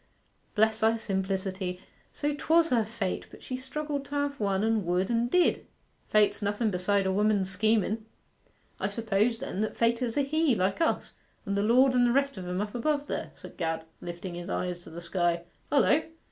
Bless thy simplicity, so 'twas her fate; but she struggled to have one, and would, and did. Fate's nothen beside a woman's schemen!' 'I suppose, then, that Fate is a He, like us, and the Lord, and the rest o' 'em up above there,' said Gad, lifting his eyes to the sky. 'Hullo!